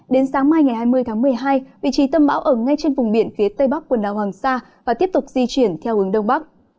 đến sáng mai ngày hai mươi tháng một mươi hai vị trí tâm bão ở ngay trên vùng biển phía tây bắc quần đảo hoàng sa và tiếp tục di chuyển theo hướng đông bắc